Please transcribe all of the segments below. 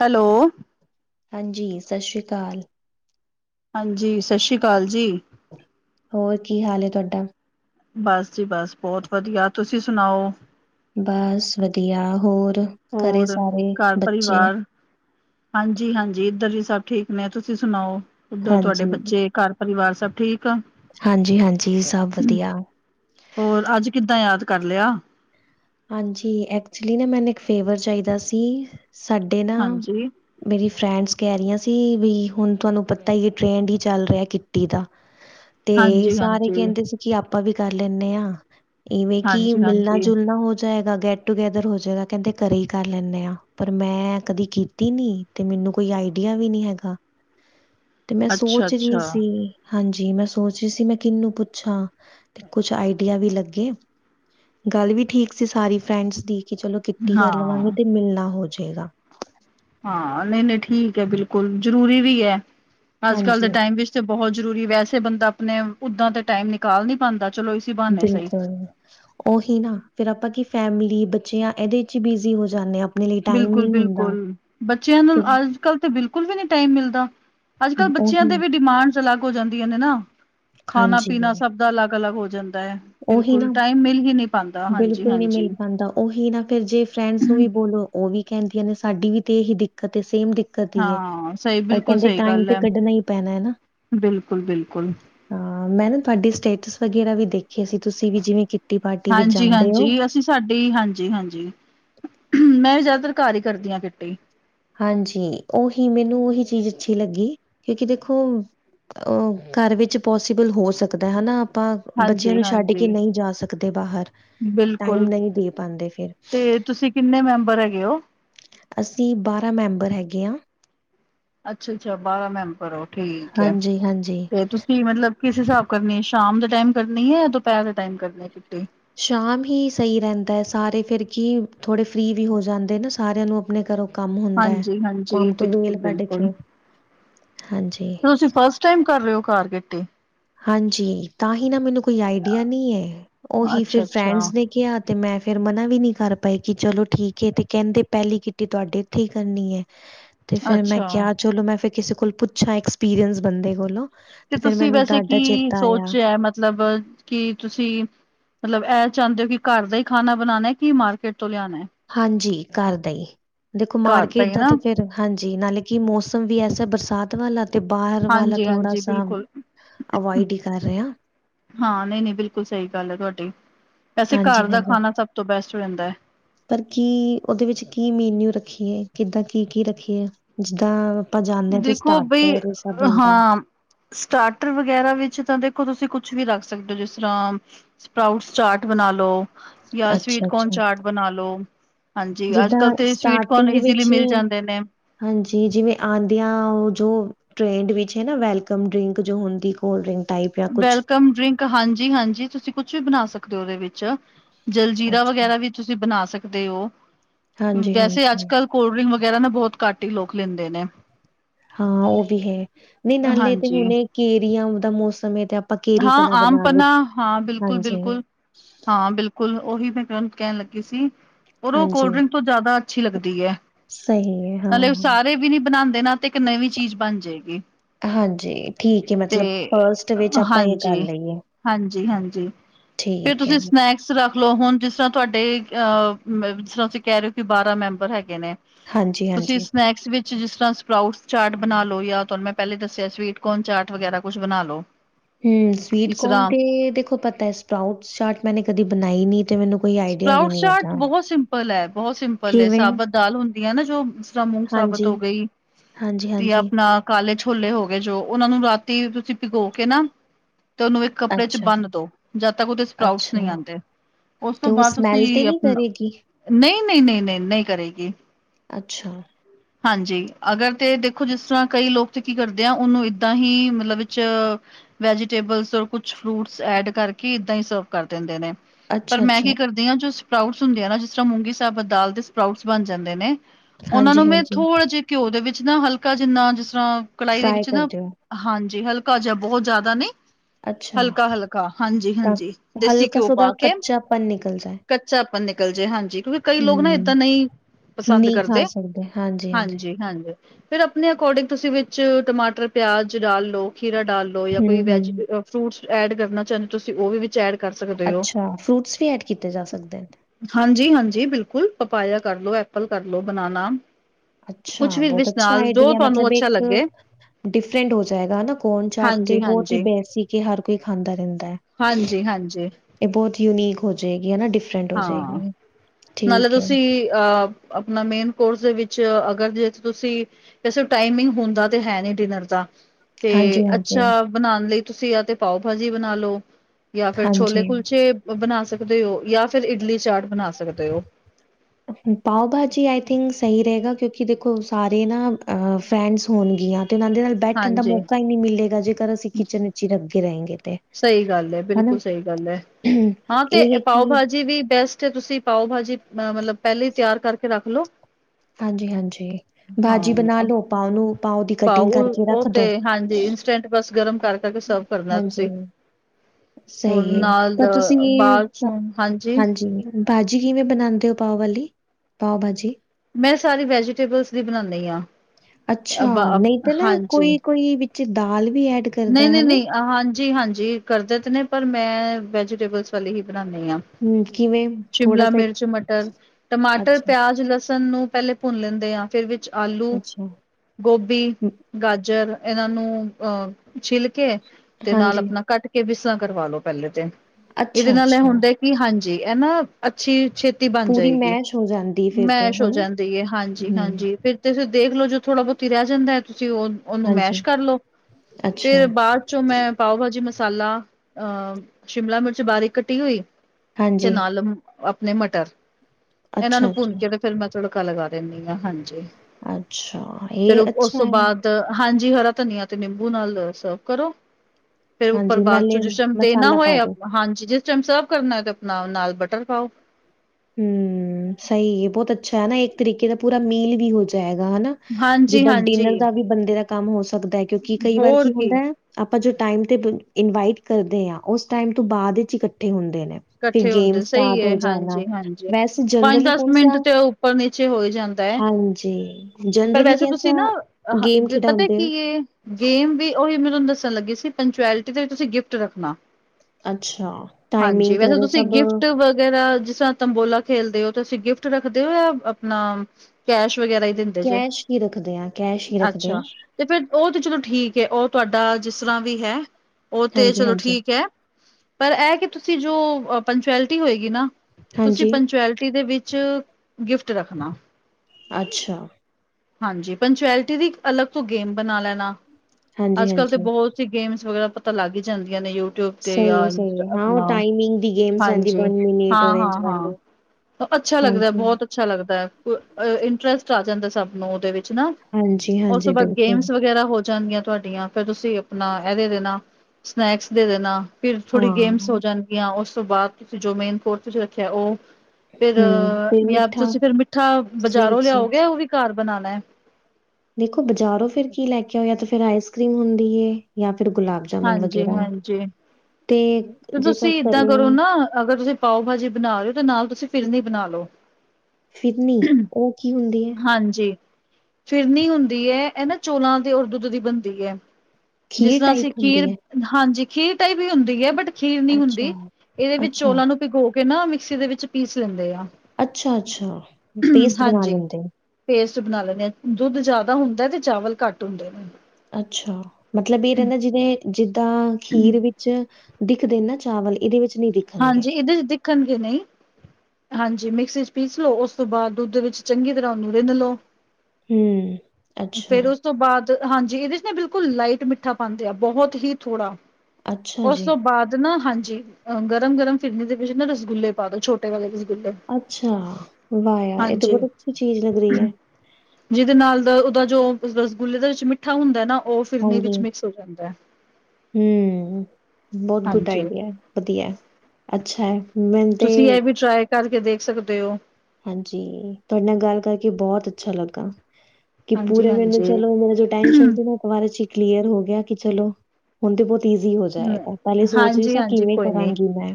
Hello. ਹਾਂਜੀ ਸਤਿ ਸ਼੍ਰੀ ਅਕਾਲ ਹਾਂਜੀ ਸਤਿ ਸ਼੍ਰੀ ਅਕਾਲ ਜੀ ਹੋਰ ਕੀ ਹਾਲ ਤੁਹਾਡਾ ਬਸ ਜੀ ਬਸ ਬਹੁਤ ਵਧੀਆ ਤੁਸੀਂ ਸੁਣਾਓ ਬਸ ਵਧੀਆ ਹੋਰ ਘਰੇ ਹੋਰ ਸਾਰੇ ਘਰ ਬੱਚੇ ਪਰਿਵਾਰ ਹਾਂਜੀ ਹਾਂਜੀ ਇੱਧਰ ਵੀ ਸਭ ਠੀਕ ਨੇ ਤੁਸੀਂ ਸੁਣਾਓ ਉੱਧਰ ਤੁਹਾਡੇ ਹਾਂਜੀ, ਬੱਚੇ ਘਰ ਪਰਿਵਾਰ ਸਭ ਠੀਕ ਆ ਹਾਂਜੀ ਹਾਂਜੀ ਸਭ ਵਧੀਆ ਹੋਰ ਅੱਜ ਕਿੱਦਾਂ ਯਾਦ ਕਰ ਲਿਆ ਹਾਂਜੀ ਐਕਚੁਲੀ ਨਾ ਮੈਨੂੰ ਇੱਕ ਫੇਵਰ ਚਾਹੀਦਾ ਸੀ ਸਾਡੇ ਨਾ ਹਾਂਜੀ, ਮੇਰੀ ਫਰੈਂਡਸ ਕਹਿ ਰਹੀਆਂ ਸੀ ਵੀ ਹੁਣ ਤੁਹਾਨੂੰ ਪਤਾ ਹੀ ਹੈ ਟ੍ਰੇਡ ਹੀ ਚੱਲ ਰਿਹਾ ਕਿੱਟੀ ਦਾ ਤੇ ਹਾਂਜੀ ਸਾਰੇ ਹਾਂਜੀ, ਕਹਿੰਦੇ ਸੀ ਕਿ ਆਪਾਂ ਵੀ ਕਰ ਲੈਂਦੇ ਹਾਂ ਇਵੇਂ ਕਿ ਹਾਂਜੀ ਮਿਲਣਾ ਹਾਂਜੀ, ਜੁਲਣਾ ਹੋ ਹੋ ਜਾਏਗਾ ਗੈਟ ਟੂਗੇੈਦਰ ਹੋ ਜਾਏਗਾ ਕਹਿੰਦੇ ਘਰੇ ਹੀ ਕਰ ਲੈਂਦੇ ਆਾਂ ਪਰ ਮੈਂ ਕਦੀ ਕੀਤੀ ਨੀ ਤੇ ਮੈਨੂੰ ਕੋਈ ਆਈਡੀਆ ਵੀ ਨਹੀਂ ਹੈਗਾ ਤੇ ਮੈਂ ਅੱਛਾ ਸੋਚ ਰਹੀ ਅੱਛਾ, ਸੀ ਹਾਂਜੀ ਮੈਂ ਸੋਚ ਰ ਸੀ ਮੈਂ ਕਿਹਨੂੰ ਪੁੱਛਾਂ ਤੇ ਕੁਛ ਆਈਡੀਆ ਵੀ ਲੱਗੇ ਗੱਲ ਵੀ ਠੀਕ ਸੀ ਸਾਰੀ ਫਰੈਂਡਸ ਦੀ ਕਿ ਚਲੋ ਕਿੱਟੀ ਕਰ ਲਵਾਂਗੇ ਹਾਂ ਤੇ ਮਿਲਣਾ ਹੋ ਜਾਏਗਾ ਹਾਂ ਨਹੀਂ ਨਹੀਂ ਠੀਕ ਹੈ ਬਿਲਕੁਲ ਜਰੂਰੀ ਵੀ ਹੈ ਅੱਜ ਕੱਲ੍ਹ ਦੇ ਹਾਂਜੀ ਟਾਈਮ ਵਿੱਚ ਬਹੁਤ ਜ਼ਰੂਰੀ ਵੈਸੇ ਬੰਦਾ ਆਪਣੇ ਓਦਾਂ ਦਾ ਟਾਈਮ ਨਿਕਾਲ ਨੀ ਪਾਉਂਦਾ ਚਲੋ ਇਸੀ ਬਹਾਨੇ ਸਹੀ। ਬਿਲਕੁਲ ਉਹੀ ਨਾ ਫੇਿਰ ਆਪਾਂ ਕੀ ਫੈਮਲੀ ਬੱਚਿਆਂ ਇਹਦੇ ਚ ਹੀ ਬਿਜ਼ੀ ਹੋ ਜਾਂਦੇ ਹਾਂ ਆਪਣੇ ਲਈ ਟਾਈਮ ਬਿਲਕੁਲ ਨਹੀਂ ਹੁੰਦਾ ਬਿਲਕੁਲ ਬੱਚਿਆਂ ਨੂੰ ਫਿਰ ਅੱਜ ਕੱਲ ਤਾਂ ਬਿਲਕੁਲ ਵੀ ਨਹੀਂ ਟਾਈਮ ਮਿਲਦਾ ਅੱਜ ਕੱਲ੍ਹ ਬੱਚਿਆਂ ਦੇ ਉਹੀ ਵੀ ਡਿਮਾਂਡਸ ਅਲੱਗ ਹੋ ਜਾਂਦੀਆਂ ਨੇ ਨਾ ਹਾਂਜੀ ਖਾਣਾ-ਪੀਣਾ ਸਭ ਦਾ ਅਲੱਗ ਅਲੱਗ ਹੋ ਜਾਂਦਾ ਹੈ ਉਹੀ ਬਿਲਕੁਲ ਨਾ ਟਾਈਮ ਮਿਲ ਹੀ ਨਹੀਂ ਪਾਉਂਦਾ ਹਾਂਜੀ ਬਿਲਕੁਲ ਨਹੀਂ ਮਿਲ ਹਾਂਜੀ ਪਾਉਂਦਾ ਉਹੀ ਨਾ ਫੇਿਰ ਜੇ ਫਰੈਂਡਸ ਨੂੰ ਵੀ ਬੋਲੋ ਉਹ ਵੀ ਕਹਿੰਦੀਆਂ ਨੇ ਸਾਡੀ ਵੀ ਤੇ ਇਹੀ ਦਿੱਕਤ ਹੈ ਸੇਮ ਦਿਕਤ ਹੈ ਹਾਂ ਸਹੀ ਪਰ ਬਿਲਕੁਲ ਕਹਿੰਦੇ ਸਹੀ ਟਾਈਮ ਗੱਲ ਤੇ ਐ। ਕੱਢਣਾ ਹੀ ਪੈਣਾ ਹੈਾ ਬਿਲਕੁਲ-ਬਿਲਕੁਲ [unintelligible] ਹਾਂ ਮੈਂ ਨਾ ਤੁਹਾਡੇ ਸਟੇਟਸ ਵਗੈਰਾ ਵੀ ਦੇਖੇ ਸੀ ਤੁਸੀਂ ਵੀ ਜਿਵੇਂ ਪਾਰਟੀ ਵਿੱਚ ਹਾਂਜੀ ਜਾਂਦੇ ਹਾਂਜੀ ਹੋ। ਅਸੀਂ ਸਾਡੀ ਹਾਂਜੀ ਹਾਂਜੀ ਮੈਂ ਜ਼ਿਆਦਾਤਰ ਘਰ ਹੀ ਕਰਦੀ ਹਾਂ ਕਿੱਟੀ ਹਾਂਜੀ ਉਓਹੀ ਮੈਨੂੰ ਉਹੀ ਚੀਜ਼ ਅੱਛੀ ਲੱਗੀ ਕਿਉਂਕਿ ਦੇਖੋ ਅ ਘਰ ਵਿੱਚ ਪੋਸੀਬਲ ਹੋ ਸਕਦਾ ਹਨਾ ਆਪਾਂ ਬੱਚਿਆਂ ਨੂੰ ਛੱਡ ਹਾਂਜੀ-ਹਾਂਜੀ ਕੇ ਨਹੀਂ ਜਾ ਸਕਦੇ ਬਾਹਰ ਟਾਈਮ ਬਿਲਕੁਲ ਨਹੀਂ ਦੇ ਪਾਂਦੇ ਫਿਰ। ਤੇ ਤੁਸੀਂ ਕਿੰਨੇ ਮੈਂਬਰ ਹੈਗੇ ਹੋ ਅਸੀਂ ਬਾਰਾਂ ਮੈਂਬਰ ਹੈਗੇ ਹਾਂ ਅੱਛਾ ਅੱਛਾ ਬਾਰਾਂ ਮੈਂਬਰ ਹੋ ਠੀਕ ਹੈ ਹਾਂਜੀ-ਹਾਂਜੀ। ਤੇ ਤੁਸੀਂ ਮਤਲਬ ਕਿਸ ਹਿਸਾਬ ਕਰਨੀ ਹੈ ਸ਼ਾਮ ਦੇ ਟਾਈਮ ਕਰਨੀ ਹੈ ਜਾਂ ਦੁਪਹਿਰ ਦੇ ਟਾਈਮ ਕਰਨੇ ਹੈ ਕਿੱਟੀ ਸ਼ਾਮ ਹੀ ਸਹੀ ਰਹਿੰਦਾ ਹੈ ਸਾਰੇ ਫਿਰ ਕੀ ਥੋੜੇ ਫ੍ਰਰੀ ਵੀ ਹੋ ਜਾਂਦੇ ਨਾ ਸਾਰਿਆਂ ਨੂੰ ਆਪਣੇ ਘਰੋਂ ਕੰਮ ਹੁੰਦਾ ਹੈ ਹਾਂਜੀ ਹਾਂਜੀ ਕੰਮ ਤੋਂ ਵੇਹਲ ਬਿਲਕੁਲ ਕੱਢ ਬਿਲਕੁਲ ਕੇ ਹਾਂਜੀ ਕਿਸ ਟਾਈਮ ਕਰ ਰਹੇ ਹੋ ਘਰ ਕਿਟੀ ਹਾਂਜੀ ਤਾਂ ਹੀ ਨਾ ਮੈਨੂੰ ਕੋਈ ਆਈਡੀਆ ਨਹੀਂ ਹੈ ਉਹੀ ਅੱਛਾ ਫਿਰ ਅੱਛਾ ਫਰੈਂਡਸ ਨੇ ਕਿਹਾ ਤੇ ਮੈਂ ਫੇਿਰ ਮਨਾ ਵੀ ਨਹੀਂ ਕਰ ਪਾਈ ਕਿ ਚਲੋ ਠੀਕ ਹੈ ਤੇ ਕਹਿੰਦੇ ਪਹਿਲੀ ਕਿੱਟੀ ਤੁਹਾਡੇ ਇੱਥੇ ਹੀ ਕਰਨੀ ਹੈ ਤੇ ਫੇਿਰ ਮੈਂ ਅੱਛਾ ਕਿਹਾ ਚਲੋ ਮੈਂ ਫ ਕਿਸੇ ਕੋਲ ਪੁੱਛਾਂ ਐਕਸਪੀਰੀੰਸ ਬੰਦੇ ਕੋਲੋਂ ਤੇ ਫਿਰ ਤੁਸੀਂ ਮੈਨੂੰ ਵੈਸੇ ਤੁਹਾਡਾ ਕੀ ਚੇਤਾ ਆਇਆ। ਸੋਚਿਆ ਮਤਲਬ ਕਿ ਤੁਸੀਂ ਮਤਲਬ ਇਹ ਚਾਹੁੰਦੇ ਹੋ ਕਿ ਘਰ ਦਾ ਹੀ ਖਾਣਾ ਬਣਾਉਣਾ ਕਿ ਮਾਰਕੀਟ ਤੋਂ ਲਿਆਉਣਾ ਹੈ ਹਾਂਜੀ ਘਰ ਦਾ ਹੀ ਦੇਖੋ ਘਰ ਮਾਰਕੀਟ ਹੀ ਦਾ ਨਾ ਤੇ ਫਿਰ ਹਾਂਜੀ ਨਾਲੇ ਕਿ ਮੌਸਮ ਵੀ ਐਸਾ ਬਰਸਾਤ ਵਾਲਾ ਤੇ ਬਾਹਰ ਵਾਲਾ ਹਾਂਜੀ ਥੋੜਾ ਹਾਂਜੀ ਸ ਬਿਲਕੁਲ ਅਵੋਇਡ ਹੀ ਕਰ ਰਿਹਾ ਹਾਂ ਨਹੀਂ ਨਹੀਂ ਬਿਲਕੁਲ ਸਹੀ ਗੱਲ ਹੈ ਤੁਹਾਡੀ ਵੈਸੇ ਹਾਂਜੀ, ਘਰ ਦਾ ਹਾਂਜੀ। ਖਾਣਾ ਸਭ ਤੋਂ ਬੈਸਟ ਰ ਜਾਂਦਾ ਹੈ ਪਰ ਕੀ ਉਹਦੇ ਵਿੱਚ ਕੀ ਮੇਨਿਊ ਰੱਖੀਏ ਕਿੱਦਾਂ ਕੀ ਕੀ ਰੱਖੀਏ ਜਿੱਦਾਂ ਆਪਾਂ ਜਾਂਦੇ ਤੇ ਦੇਖੋ ਬਈ ਸਟਾਰਟਰ ਇਹ ਸਭ ਹੁੰਦਾ ਹੈ। ਹਾਂ ਸਟਾਰਟਰ ਵਗੈਰਾ ਵਿੱਚ ਤਾਂ ਦੇਖੋ ਤੁਸੀਂ ਕੁਛ ਵੀ ਰੱਖ ਸਕਦੇ ਹੋ ਜਿਸ ਤਰ੍ਹਾਂ ਸਪਰਾਾਊਟਸ ਚਾਟ ਬਣਾ ਲੋ ਜਾਂ ਅੱਛਾ ਸਵੀਟਕਨ ਅੱਛਾ ਚਾਟ ਬਣਾ ਲ ਲੋ। ਹਾਂਜੀ ਅੱਜ ਜਿੱਦਾਂ ਕੱਲ੍ਹ ਤੇ ਸਵੀਟਕਨ ਸਟਾਰਟਿੰਗ ਇਜ਼ੀਲੀ ਵਿੱਚ ਮਿਲ ਜਾਂਦੇ ਨੇ। ਹਾਂਜੀ ਜਿਵੇਂ ਆਉਂਦਿਆਂ ਉਹ ਜੋ ਟ੍ਰੈਂਡ ਵਿੱਚ ਹੈ ਨਾ ਵੈਲਕਮ ਡਰਿੰਕ ਜੋ ਹੁੰਦੀ। ਕੋਲਡ ਡ੍ਰਿੰਕ ਟਾਈਪ ਜਾਂ ਕੁਛ ਵੈਲਕਮ ਡਰਿੰਕ ਹਾਂਜੀ ਹਾਂਜੀ ਤੁਸੀਂ ਕੁਛ ਵੀ ਬਣਾ ਸਕਦੇ ਹੋ ਉਹਦੇ ਵਿੱਚ। ਜਲਜੀਰਾ ਅੱਛਾ ਵਗੈਰਾ ਵੀ ਤੁਸੀਂ ਬਣਾ ਸਕਦੇ ਹੋ ਹਾਂਜੀ ਵੈਸੇ ਅੱਜ ਹਾਂਜੀ ਕੱਲ੍ਹ। ਕੋਲਡ ਡਰਿੰਕ ਵਗੈਰਾ ਨਾ ਬਹੁਤ ਘੱਟ ਹੀ ਲੋਕ ਲੈਂਦੇ ਨੇ। ਹਾਂ ਉਹ ਵੀ ਹੈ ਨਹੀਂ ਨਾਲੇ ਤੇ ਹਾਂਜੀ। ਹੁਣੇ ਕੇਰੀਆਂ ਦਾ ਮੌਸਮ ਹੈ ਤੇ ਕੇਰੀ ਹਾਂ ਪਨਾ ਬਣਾ ਲਈ ਆਮਪਨਾ ਹਾਂ ਬਿਲਕੁਲ ਹਾਂਜੀ ਬਿਲਕੁਲ। ਹਾਂ ਬਿਲਕੁਲ ਉਹੀ ਮੈਂ ਕਹਿਣ ਲੱਗੀ ਸੀ। ਪਰ ਉਹ ਹਾਂਜੀ ਕੋਲਡ ਡਰਿੰਕ ਤੋਂ ਜ਼ਿਆਦਾ ਅੱਛੀ ਲੱਗਦੀ ਹੈ ਸਹੀ ਹੈ ਨਾਲੇ ਉਹ ਹਾਂ ਸਾਰੇ ਵੀ ਨੀ ਬਣਾਉਂਦੇ ਨਾ। ਤੇ ਇੱਕ ਨਵੀਂ ਚੀਜ਼ ਬਣ ਜਾਏਗੀ। ਹਾਂਜੀ ਠੀਕ ਤੇ ਮਤਲਬ ਫਸਟ। ਵਿੱਚ ਆਪਾਂ ਇਹ ਹਾਂਜੀ ਕਰ ਲਈਏ ਹਾਂਜੀ ਹਾਂਜੀ ਫਿਰ ਠੀਕ ਹੈ, ਤੁਸੀਂ ਸਨੈਕ। ਰੱਖ ਲਓ ਹੁਣ ਜਿਸ ਤਰ੍ਹਾਂ ਤੁਹਾਡੇ ਅਹ ਜਿਸ ਤਰ੍ਹਾਂ ਤੁਸੀਂ ਕਹਿ ਰਹੇ ਹੋ ਕਿ ਬਾਰਾਂ ਮੈਂਬਰ ਹੈਗੇ ਨੇ। ਤੁਸੀਂ ਹਾਂਜੀ-ਹਾਂਜੀ, ਸਨੈਕਸ ਵਿੱਚ ਜਿਸ ਤਰ੍ਹਾਂ ਸਪਰਾਊਟਸ ਚਾਰਟ ਬਣਾ ਲ ਲੋ ਯ ਤੁਹਾਨੂੰ ਮੈਂ ਪਹਿਲੇ ਦੱਸਿਆ ਸਵੀਟਕੋਰਨ ਚਾਰਟ ਵਗੈਰਾ ਕੁਛ ਬਣਾ ਲ ਲੋ। ਹਮ ਸਵੀਟ ਇਸ ਕੋਨ ਤਰ੍ਹਾਂ ਤੇ ਦੇਖੋ ਪਤਾ ਹੈ ਸਪਰਾਊਟ ਚਾਟ ਮੈਨੇ ਕਦੀ ਬਣਾਈ ਨੀ ਤੇ ਮੈਨੂੰ ਕੋਈ ਆਈਡੀਆ ਵੀ ਸਪਰਾਊਟ ਨਹੀਂ ਚਾਰਟ ਹੈਗਾ, ਬਹੁਤ ਸਿੰਪਲ ਹੈ ਬਹੁਤ ਸਿੰਪਲ ਹੈ ਕਿਵੇਂ? ਸਾਬਤ ਦਾਲ ਹੁੰਦੀ ਹੈ ਨਾ ਜੋ ਜਿਸ ਤਰਾਂ ਮੁੰਗ ਸਾਬਤ ਹੋ ਗਈ। ਹਾਂਜੀ ਤੇ ਹਾਂਜੀ ਆਪਣਾ ਕਾਲੇ ਛੋਲੇ ਹੋ ਗਏ ਜੋ ਉਹਨਾ ਨੂੰ ਰਾਤੀ ਤੁਸੀਂ ਭਿਗੋ ਕੇ ਨਾ ਤੇ ਉਹਨੂੰ ਕੱਪੜੇ ਚ ਅੱਛਾ, ਬੰਨ ਦੋ ਜਦ ਤੱਕ ਉਹਦੇ ਸਪਰਾਊਟਸ ਅੱਛਾ ਨਹੀਂ ਆਉਂਦੇ। ਉਸ ਤੇ ਤੋਂ ਉਹ ਬਾਅਦ ਸਮੈਲ ਤੇ ਤੁਸੀਂ ਨਹੀਂ ਆਪਣਾ ਕਰੇਗੀ? ਨਹੀਂ ਨਹੀਂ ਨਹੀਂ ਨਹੀਂ ਨਹੀਂ ਕਰੇਗੀ। ਅੱਛਾ ਹਾਂਜੀ ਅਗਰ ਤੇ ਦੇਖੋ ਜਿਸ ਤਰ੍ਹਾਂ ਕਈ ਲੋਕ ਤੇ ਕੀ ਕਰਦੇ ਆ ਉਹਨੂੰ ਏਦਾਂ ਹੀ ਮਤਲਬ ਵਿੱਚ ਵੈਜੀਟੇਬਲ ਕੁਛ ਫਰੂਟਸ ਐਡ ਕਰਕੇ ਏਦਾਂ ਹੀ ਸਰਵ ਕਰ ਦਿੰਦੇ ਨੇ। ਪਰ ਮੈਂ ਕੀ ਅੱਛਾ-ਅੱਛਾ, ਕਰਦੀ ਹਾਂ ਜੋ ਸਪਰਾਟਸ ਹੁੰਦੀ ਆ ਨਾ ਜਿਸ ਤਰ੍ਹਾਂ ਮੂੰਗੀ ਸਾਬਤ ਦਾਲ ਦੇ ਸਪਰਾਟਸ ਬਣ ਜਾਂਦੇ ਨੇ? ਉਹਨਾਂ ਨੂੰ ਮੈਂ ਹਾਂਜੀ-ਹਾਂਜੀ, ਥੋੜ੍ਹਾ ਜਿਹਾ ਘਿਓ ਦੇ ਵਿੱਚ ਨਾ ਹਲਕਾ ਜਿੰਨਾ ਜਿਸ ਤਰ੍ਹਾਂ ਕੜਾਹੀ ਦੇ ਫਰਾਈ ਵਿੱਚ ਕਰ ਨਾ ਦਿਓ, ਹਾਂਜੀ ਹਲਕਾ ਜਿਹਾ ਬਹੁਤ ਜ਼ਿਆਦਾ ਨਹੀਂ। ਅੱਛਾ ਹਲਕਾ ਹਲਕਾ ਹਾਂਜੀ ਹਾਂਜੀ ਦੇਸੀ ਘਿਓ ਪਾ ਕੇ ਪਾਨੀ ਨਿਕਲ ਜਾਏ। ਕੱਚਾ ਆਪਾਂ ਨ ਨਿਕਲ ਜਏ ਹਾਂਜੀ ਕਿ ਕਈ ਲੋਕ ਨਾ ਹੂੰ, ਏਦਾਂ ਨਹੀਂ ਪਸੰਦ ਨਹੀਂ ਖਾ ਕਰਦੇ ਸਕਦੇ, ਹਾਂਜੀ-ਹਾਂਜੀ, ਹਾਂਜੀ ਹਾਂਜੀ। ਫੇਿਰ ਆਪਣੇ ਅਕੋਰਡਿੰਗ ਤੁਸੀਂ ਵਿੱਚ ਟਮਾਟਰ ਪਿਆਜ ਡਾਲ ਲੋੋ ਖੀਰਾ ਡਾਲ ਲੋ। ਜਾਂ ਕੋਈ ਵੈਜ ਹੂੰ-ਹੂੰ, ਫਰੂਟਸ ਐਡ ਕਰਨਾ ਚਾਹੁੰਦੇ ਹੋ ਤੁਸੀਂ ਉਹ ਵੀ ਵਿੱਚ ਐਡ ਕਰ ਸਕਦੇ ਹੋ ਅੱਛਾ ਫਰੂਟਸ ਵੀ ਐਡ ਕੀਤੇ ਜਾ ਸਕਦੇ ਨੇ ਹਾਂਜੀ ਹਾਂਜੀ ਬਿਲਕੁਲ ਪਪਾਇਆ ਕਰਲੋ ਐਪਲ ਕਰ ਲੋ ਬਨਾਨਾ ਅੱਛਾ ਕੁਛ ਵੀ ਬਹੁਤ ਵਿੱਚ ਅੱਛਾ ਨਾਲ ਜੋ ਆਈਡੀਆ ਤੁਹਾਨੂੰ ਮਤਲਬ ਅੱਛਾ ਇੱਕ ਲੱਗੇ ਡਿਫਰੈਂਟ ਹੋ ਜਾਏਗਾ ਹਨ ਕੋਨ ਚਾਟ ਤੇ ਬਹੁਤ ਹੀ ਹਾਂਜੀ-ਹਾਂਜੀ ਬੇ ਸੀ ਕੇ ਹਰ ਕੋਈ ਖਾਂਦਾ ਰਹਿੰਦਾ ਹੈ। ਹਾਂਜੀ ਹਾਂਜੀ। ਇਹ ਬਹੁਤ ਯੂਨੀਕ ਹੋ ਜਾਏਗੀ ਹੈ ਨਾ ਡਿਫਰੈਂਟ ਹੋ ਹਾਂ। ਜਾਏਗੀ। ਨਾਲੇ ਠੀਕ ਹੈ ਤੁਸੀਂ ਅਹ ਆਪਣਾ ਮੇਨ ਕੋਰਸ ਦੇ ਵਿੱਚ ਅਗਰ ਜੇ ਤੁਸੀਂ ਵੈਸੇ ਟਾਈਮਿੰਗ ਹੁੰਦਾ ਤੇ ਹੈ ਨਹੀਂ ਡਿਨਰ ਦਾ ਤੇ ਹਾਂਜੀ-ਹਾਂਜੀ। ਅੱਛਾ ਬਣਾਉਣ ਲਈ ਤੁਸੀਂ ਆ ਤੇ ਪਾਓ ਭਾਜੀ ਬਣਾ ਲੋ ਜਾਂ ਫਿਰ ਛੋਲੇ ਹਾਂਜੀ ਕੁਲਚੇ ਬਣਾ ਸਕਦੇ ਹੋ ਜਾਂ ਫਿਰ ਇਡਲੀ ਚਾਟ ਬਣਾ ਸਕਦੇ ਹੋ। ਪਾਓ ਭਾਜੀ ਆਈ ਥਿੰਕ ਸਹੀ ਰਹੇਗਾ ਕਿਉਂਕਿ ਦੇਖੋ ਸਾਰੇ ਨਾ ਅ ਫੈਨਡਸ ਹੋਣਗੀਆਂ। ਉਹਨਾਂ ਦੇ ਨਾਲ ਬੈਠਣ ਦਾ ਹਾਂਜੀ, ਮੌਕਾ ਹੀ ਨਹੀਂ ਮਿਲੇਗਾ ਜੇਕਰ ਅਸੀਂ ਕਿਚਨ ਵਿੱਚ ਹੀ ਲਗੇ ਰਹੇਗੇ ਤੇ। ਸਹੀ ਗੱਲ ਹੈ ਬਿਲਕੁਲ ਹਨਾ ਸਹੀ ਗੱਲ ਹੈ, ਹਾਂ ਤੇ ਇਹ ਹੈ ਪਾਓ ਕਿ ਭਾਜੀ ਵੀ ਬੈਸਟ ਹੈ ਤੁਸੀਂ? ਪਾਓ ਭਾਜੀ ਅ ਮਤਲਬ ਪਹਿਲੇ ਹੀ ਤਿਆਰ ਕਰਕੇ ਰੱਖ ਲਓ। ਹਾਂਜੀ- ਹਾਂਜੀ ਭਾਜੀ ਬਣਾ ਲੋੋ, ਪਾਓ ਨੂੰ ਪਾਓ ਦੀ ਕਟਿੰਗ ਕਰਕੇ ਰੱਖ ਦੋ। ਚੰਡ ਬਸ ਗਰਮ ਕਰ ਕਰਕੇ ਸਰਵ ਕਰਨਾ ਹਾਂਜੀ ਤੁਸੀਂ। ਹੋਰ ਸਹੀ ਹੈ ਨਾਲ, ਪਰ ਤੁਸੀਂ ਬਾਅਦ ਚੋ ਹਾਂਜੀ? ਭਾਜੀ ਕਿਵੇਂ ਬਣਾਉਂਦੇ ਹੋ, ਪਾਓ ਵਾਲੀ, ਪਾਓ ਭਾਜੀ। ਮੈਂ ਸਾਰੀ ਵੈਜੀਟੇਬਲਸ ਦੀ ਬਣਾਉਦੀ ਹਾਂ। ਅੱਛਾ, ਨਹੀਂ ਤੇ ਨਾ ਹਾਂਜੀ ਕੋਈ -ਕੋਈ ਵਿੱਚ ਦਾਲ ਵੀ ਐਡ ਨਹੀਂ ਕਰਦਾ ਨਹੀਂ ਹਨਾ। ਨਹੀਂ ਹਾਂਜੀ- ਹਾਂਜੀ ਕਰਦੇ ਤੇ ਨੇ, ਪਰ ਮੈਂ ਵੈਜੀਟੇਬਲਸ ਵਾਲੀ ਹੀ ਬਣਾਉਦੀ ਹਾਂ। ਹੂੰ, ਕਿਵੇਂ ਥੋੜਾ ਸ਼ਿਮਲਾ ਸਾ ਮਿਰਚ, ਮਟਰ, ਟਮਾਟਰ, ਅੱਛਾ, ਪਿਆਜ, ਲਸਣ? ਲਸਣ ਨੂੰ ਪਹਿਲੇ ਭੁੰਨ ਲੈਂਦੇ ਹਾਂ, ਫਿਰ ਵਿੱਚ ਆਲੂ, ਅੱਛਾ, ਗੋਭੀ? ਹੂੰ, ਗਾਜਰ, ਇਹਨਾਂ ਨੂੰ ਅਹ ਛਿੱਲ ਕੇ, ਤੇ ਨਾਲ ਹਾਂਜੀ, ਆਪਣਾ ਕੱਟ? ਕਿ ਬਿਸਰਾਂ ਕਰਵਾ ਲੋ ਪਹਿਲੇ ਤੇ, ਇਹਦੇ ਨਾਲ ਇਹ ਅੱਛਾ-ਅੱਛਾ, ਹੁੰਦਾ ਕਿ ਹਾਂਜੀ ਇਹ ਨਾ? ਅੱਛੀ, ਛੇਤੀ ਬਣ ਪੂਰੀ ਜਾਏਗੀ ਮੈਸ਼ ਹੋ ਜਾਂਦੀ ਫਿਰ ਤੇ ਮੈਂਸ? ਹੋ ਹਨਾ? ਜਾਂਦੀ ਹੈ ਹਾਂਜੀ- ਹੂੰ, ਹਾਂਜੀ, ਫਿਰ ਤੁਸੀਂ ਦੇਖਲੋ ਜੋ ਥੋੜਾ ਬਹੁਤੀ ਰਹਿ ਜਾਂਦਾ ਹੈ ਤੁਸੀਂ ਉਹ? ਉਹਨੂੰ ਹਾਂਜੀ, ਮੈਸ਼ ਕਰਲੋ, ਅੱਛਾ, ਫਿਰ ਬਾਅਦ? ਚੋਂ ਮੈਂ ਪਾਓ ਭਾਜੀ ਮਸਾਲਾ, ਅਹ ਸ਼ਿਮਲਾ ਮਿਰਚ ਬਾਰੀਕ ਕੱਟੀ ਹੋਈ? ਤੇ ਹਾਂਜੀ, ਨਾਲ ਆਪਣੇ ਮਟਰ, ਇਹਨਾਂ ਨੂੰ ਭੁੰਨ ਅੱਛਾ-ਅੱਛਾ, ਕੇ? ਫਿਰ ਮੈਂ ਤੜ੍ਹਕਾ, ਲਗਾ ਦਿੰਦੀ ਹਾਂ ਹਾਂਜੀ। ਅੱਛਾ, ਫਿਰ ਇਹ ਉਸ ਅੱਛਾ ਤੋਂ ਹੈ। ਬਾਅਦ ਹਾਂਜੀ ਹਰਾ ਧਨੀਆ ਤੇ ਨਿੰਬੂ ਨਾਲ ਸਰਵ ਕਰੋ। ਫਿਰ ਉੱਪਰ ਹਾਂਜੀ, ਬਾਅਦ ਨਾਲੇ ਚੋਂ ਜਿਸ ਟਾਈਮ ਦੇਣਾ ਮਸਾਲਾ ਪਾ ਹੋਏ ਦੋ। ਹਾਂਜੀ ਜਿਸ ਟਾਈਮ ਸਰਵ ਕਰਨਾ ਤੇ ਆਪਣਾ ਨਾਲ ਬਟਰ ਪਾਓ। ਹਮ, ਸਹੀ ਹੈ ਬਹੁਤ ਅੱਛਾ ਹੈ ਨਾ ਇੱਕ ਤਰੀਕੇ ਦਾ ਪੂਰਾ ਮੀਲ ਵੀ ਹੋ ਜਾਏਗਾ, ਹਨਾ? ਜਿੱਦਾਂ ਹਾਂਜੀ-ਹਾਂਜੀ ਡਿਨਰ ਦਾ ਵੀ ਬੰਦੇ ਦਾ ਕੰਮ ਹੋ ਸਕਦਾ ਹੈ, ਕਿਉਂਕਿ ਕਈ ਵਾਰ ਕੀ ਹੁੰਦਾ ਹੈ। ਆਪਾਂ ਜੋ ਟਾਈਮ ਤੇ ਇਨਵਾਈਟ ਕਰਦੇ ਹਾਂ, ਉਸ ਟਾਈਮ ਤੋਂ ਬਾਅਦ ਵਿੱਚ ਇਕਠੇ ਹੁੰਦੇ ਨੇ। ਫਿਰ ਇਕੱਠੇ ਗੇਮ ਹੁੰਦੇ, ਸਹੀ ਸਟਾਰਟ ਹੋ ਹੈ ਜਾਣਾ ਹਾਂਜੀ -ਹਾਂਜੀ। ਹਾਂਜੀ, ਪੰਜ ਦਸ ਮਿੰਟ ਤੇ ਉਹ ਉੱਪਰ ਨੀਚੇ ਹੋ ਜਾਂਦਾ ਹੈ। ਪਰ ਵੈਸੇ ਤੁਸੀਂ ਨਾ, ਪਤਾ ਕੀ ਏ? ਗੇਮ ਵੀ ਉਹੀ ਮੈ ਤੁਹਾਨੂੰ ਦੱਸਣ ਲੱਗੀ ਸੀ ਪੰਚੁਐਲਿਟੀ ਤੇ ਤੁਸੀਂ ਗਿਫਟ ਰੱਖਣਾ ਅੱਛਾ, ਟਾਈਮਿੰਗ ਹਾਂਜੀ ਵੈਸੇ ਤੁਸੀਂ ਗਿਫਟ ਵਗੈਰਾ ਜਿਸ ਤਰਾਂ ਤੰਬੋਲਾ ਖੇਲਦੇ ਹੋ ਤੁਸੀਂ ਗਿਫਟ ਰੱਖਦੇ ਹੋ ਯਾਂ ਆਪਣਾ ਕੈਸ਼ ਵਗੈਰਾ ਹੀ ਦੇਂ ਕੈਸ਼ ਹੀ ਰੱਖਦੇ ਹਾਂ, ਕੈਸ਼ ਹੀ ਰੱਖਦੇ ਹਾਂ ਤੇ ਫਿਰ ਉਹ ਤੇ ਚਲੋ ਠੀਕ ਹੈ, ਉਹ ਤੁਹਾਡਾ ਜਿਸ ਤਰ੍ਹਾਂ ਵੀ ਹੈ ਉਹ ਤੇ ਚਲੋ ਠੀਕ ਹੈ, ਪਰ ਇਹ ਕਿ ਤੁਸੀਂ ਜੋ ਅ ਪੰਚੁਐਲਿਟੀ ਹੋਏਗੀ ਨਾ ਤੁਸੀਂ ਪੰਚੁਐਲਿਟੀ ਦੇ ਵਿੱਚ ਗਿਫਟ ਰੱਖਣਾ ਅੱਛਾ ਹਾਂਜੀ ਪੰਚੁਐਲਿਟੀ ਦੀ ਅਲੱਗ ਤੋਂ ਗੇਮ ਬਣਾ ਲੈਣਾ, ਅੱਜ -ਕੱਲ ਤੇ ਬਹੁਤ? ਗੇਮਸ ਵਗੈਰਾ ਪਤਾ ਲੱਗ ਹੀ ਜਾਂਦੀਆਂ ਨੇ ਯੂਟਿਊਬ ਤੇ ਜਾਂ ਇੰਟਾ? ਹਾਂਜੀ, ਹਾਂ- ਹਾਂ -ਹਾਂ ਅੱਛਾ ਲੱਗਦਾ ਬਹੁਤ? ਅੱਛਾ ਲੱਗਦਾ ਹੈ ਇੰਟਰਸਟ ਆ ਜਾਂਦਾ ਸਭ ਨੂੰ ਉਹਦੇ ਵਿੱਚ ਨਾ। ਉਸ ਹਾਂਜੀ-ਹਾਂਜੀ, ਤੋਂ ਬਾਅਦ, ਬਿਲਕੁਲ ਗੇਮਸ ਵਗੈਰਾ ਹੋ ਜਾਂਦੀਆਂ ਤੁਹਾਡੀਆਂ। ਫਿਰ ਤੁਸੀਂ ਆਪਣਾ ਇਹ ਦੇ ਦੇਣਾ, ਸਨੈਕਸ ਦੇ ਦੇਣਾ ਫਿਰ ਥੋੜੀ ਗੇਮਸ? ਹੋ ਹਾਂ, ਜਾਣਗੀਆਂ, ਉਸ ਤੋਂ ਬਾਅਦ ਤੁਸੀਂ ਜੋ ਮੇਨ ਕੋਰਸ ਤੁਸੀਂ ਰੱਖਿਆ ਉਹ? ਫਿਰ ਹੂੰ ਫਿਰ ਯਾਰ ਮਿੱਠਾ ਤੁਸੀਂ ਫਿਰ ਮਿੱਠਾ ਬਾਜ਼ਾਰੋਂ ਸਵੀਟ ਚ ਲਿਆਓਗੇ, ਉਹ ਵੀ ਘਰ ਬਣਾਉਣਾ ਹੈ। ਦੇਖੋ ਬਜ਼ਾਰੋਂ ਫਿਰ ਕੀ ਲੈ ਕੇ ਆਏ ਤਾਂ ਫਿਰ ਆਈਸ ਕਰ੍ਰੀਮ ਹੁੰਦੀ ਜਾਂ ਫਿਰ ਗੁਲਾਬ? ਜਾਮੁਨ ਹਾਂਜੀ- ਵਗੈਰਾ ਹਾਂਜੀ, ਤੇ ਫੇਰ ਜੇਕਰ ਤੁਸੀਂ ਏਦਾਂ ਕਰੋ ਘਰੇ ਨਾ, ਅਗਰ ਤੁਸੀਂ? ਪਾਓ ਭਾਜੀ ਬਣਾ ਲਓ ਤੇ ਨਾਲ ਤੁਸੀਂ ਫਿਰਨੀ ਬਣਾ ਲੋ। ਫਿਰਨੀ, ਉਹ ਕੀ ਹੁੰਦੀ ਹੈ ਹਾਂਜੀ, ਫਿਰਨੀ ਹੁੰਦੀ ਹੈ ਇਹ ਨਾ ਚੋਲਾਂ ਤੇ ਔਰ ਦੁੱਧ ਦੀ ਬਣਦੀ ਹੈ ਜਿਸ ਖੀਰ ਤਰ੍ਹਾਂ, ਅਸੀਂ ਟਾਈਪ ਖੀਰ, ਹੁੰਦੀ ਐ? ਹਾਂਜੀ ਖੀਰ ਟਾਈਪ ਹੀ ਹੁੰਦੀ ਹੈ। ਬਟ ਖੀਰ ਨਹੀਂ ਹੁੰਦੀ, ਅੱਛਾ। ਇਹਦੇ ਵਿੱਚ, ਅੱਛਾ, ਚੌਲਾਂ ਨੂੰ ਭਿਗੋ ਕੇ ਨਾ, ਮਿਕਸੀ ਦੇ ਵਿੱਚ ਪੀਸ ਲੈਂਦੇ ਆ। ਅੱਛਾ -ਅੱਛਾ, ਪੇਸਟ ਬਣਾ ਹਾਂਜੀ। ਲੈਂਦੇ ਹੋ? ਪੇਸਟ, ਬਣਾ ਲੈਂਨੇ ਹਾਂ, ਦੁੱਧ ਜ਼ਿਆਦਾ ਹੁੰਦਾ ਹੈ, ਤੇ ਚਾਵਲ ਘੱਟ ਹੁੰਦੇ ਨੇ। ਅੱਛਾ, ਮਤਲਬ ਇਹ ਰਹਿੰਦਾ, ਜਿਵੇ ਜਿੱਦਾਂ ਖੀਰ ਵਿੱਚ ਦਿਖਦੇ ਨਾ ਚਾਵਲ, ਇਹਦੇ ਵਿੱਚ ਨਹੀਂ ਦਿੱਖ ਹਾਂਜੀ, ਇਹਦੇ ਚ ਦਿਖਣਗੇ ਨਹੀਂ। ਹਾਂਜੀ, ਮਿਕਸੀ ਚ ਪੀਸ ਲਉ, ਉਸ ਤੋਂ ਬਾਅਦ ਦੁੱਧ ਵਿੱਚ ਚੰਗੀ ਤਰ੍ਹਾਂ, ਉਹਨੂੰ ਰਿੰਨ ਲਉ। ਹਮ, ਅੱਛਾ। ਉਸ ਤੋਂ ਬਾਅਦ, ਹਾਂਜੀ ਇਹਦੇ ਚ ਨਾ, ਬਿਲਕੁਲ ਲਾਈਟ ਮਿੱਠਾ ਪਾਂਦੇ ਆ, ਬਹੁਤ ਹੀ ਥੋੜਾ। ਅੱਛਾ ਉਸ ਜੀ। ਤੋਂ, ਬਾਅਦ ਨਾ, ਹਾਂਜੀ ਅਹ ਗਰਮ- ਗਰਮ, ਫਿਰਨੀ ਦੇ ਵਿੱਚ ਨਾ, ਰਸਗੁੱਲੇ ਪਾ ਦੋ। ਛੋ ਟੇ, ਵਾਲੇ ਰਸਗੁੱਲੇ। ਅੱਛਾ, ਵਾਇਆ, ਇਹ ਤੇ ਹਾਂਜੀ ਬਹੁਤ ਅੱਛੀ ਚੀਜ਼ ਲੱਗ ਰਹੀ ਹੈ। ਜਿਹਦੇ ਨਾਲ, ਦਾ ਉਹਦਾ ਜੋ ਰਸਗੁੱਲੇ ਦੇ ਵਿੱਚ ਮਿੱਠਾ ਹੁੰਦਾ ਹੈ ਨਾ, ਉਹ ਫਿਰਨੀ ਵਿੱਚ ਮਿਕਸ ਹੋ ਜਾਂਦਾ ਹੈ। ਹਮ, ਬਹੁਤ ਗੁੱਡ ਹਾਂਜੀ ਆਈਡੀਆ, ਵਧੀਆ ਅੱਛਾ ਹੈ। ਤੁਸੀਂ, ਇਹ ਵੀ ਟਰਾਈ ਕਰਕੇ ਦੇਖ ਸਕਦੇ ਹੋ। ਹਾਂਜੀ, ਤੁਹਾਡੇ ਨਾਲ ਗੱਲ ਕਰਕੇ ਬਹੁਤ ਅੱਛਾ ਲੱਗਾ। ਕਿ, ਪੂਰੇ ਮੈਨੂੰ ਹਾਂਜੀ-ਹਾਂਜੀ। ਚਲੋ ਮੇਰੇ ਜੋ ਟੈਸ਼ਨ ਸੀ, ਨਾ ਉਹ ਇਕ ਵਾਰ ਚ ਹੀ, ਕਲੀਅਰ ਹੋ ਗਿਆ ਕਿ, ਚਲੋ ਹੁਣ ਤੇ, ਬਹੁਤ ਈਜ਼ੀ ਹੋ ਜਾਏਗਾ, ਪਹਿਲੇ ਸੋਚ ਰਹੀ ਸਾ, ਹਾਂਜੀ-ਹਾਂਜੀ ਕਿਵੇਂ ਕੋਈ ਨੀ। ਕਰਾਂਗੀ, ਮੈਂ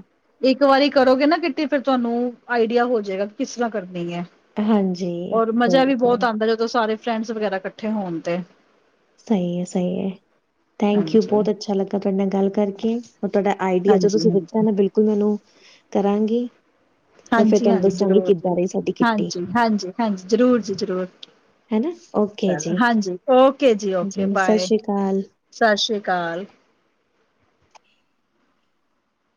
ਇੱਕ ਵਾਰੀ, ਕਰੋਗੇ ਨਾ ਕਿੱਟੀ, ਫਿਰ ਤੁਹਾਨੂੰ ਆਈਡੀਆ ਹੋ ਜਾਏਗਾ, ਕਿ ਕਿਸ ਤਰ੍ਹਾਂ ਕਰਨੀ ਹੈ। ਔਰ, ਮਜ਼ਾ ਵੀ ਬਹੁਤ ਆਉਂਦਾ, ਜਦੋਂ ਸਾਰੇ ਫਰੈਂਡਸ ਵਗੈਰਾ, ਇਕੱਠੇ ਹੋਣ ਤੇ। ਸਹੀ ਹੈ -ਸਹੀ ਹੈ, ਥੈਂਕਯੂ ਹਾਂਜੀ ਬਹੁਤ ਅੱਛਾ ਲੱਗਾ, ਤੁਹਾਡੇ ਨਾਲ ਗੱਲ ਕਰਕੇ। ਉਹ ਤੁਹਾਡਾ, ਆਈਡੀਆ ਜੋ ਹਾਂਜੀ ਤੁਸੀਂ ਹਾਂਜੀ ਦਿੱਤਾ ਨਾ, ਬਿਲਕੁਲ ਮੈਨੂੰ, ਕਰਾਂਗੀ। ਹੋਰ, ਫੇਰ ਹਾਂਜੀ ਤੁਹਾਨੂੰ ਹਾਂਜੀ ਦੱਸਾਂਗੀ, ਜ਼ਰੂਰ ਜੀ ਕਿੱਦਾਂ ਰਹੀ ਸਾਡੀ ਕਿੱਟੀ। ਹਾਂਜੀ ਹਾਂਜੀ -ਹਾਂਜੀ, ਜ਼ਰੂਰ ਜੀ ਜ਼ਰੂਰ। ਹਨਾ ਓਕੇ ਚਲ ਜੀ ਹਾਂਜੀ, ਓਕੇ ਜੀ ਓਕੇ, ਸਤਿ ਬਾਏ ਸ੍ਰੀ ਅਕਾਲ ਸਤਿ ਸ੍ਰੀ ਅਕਾਲ।